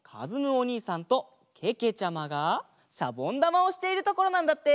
おにいさんとけけちゃまがシャボンだまをしているところなんだって！